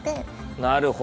なるほど。